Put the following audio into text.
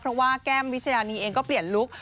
เพราะว่าแก้มวิชญานีเองก็เปลี่ยนลุค